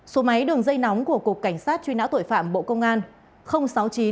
số máy đường dây nóng của cục cảnh sát truy nã tội phạm bộ công an